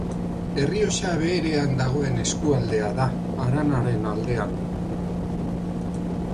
Errioxa Beherean dagoen eskualdea da, haranaren aldean.